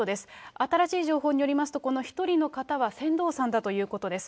新しい情報によりますと、この１人の方は船頭さんだということです。